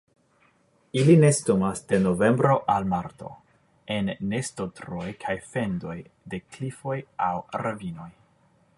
Ili nestumas de novembro al marto en nestotruoj kaj fendoj de klifoj aŭ ravinoj.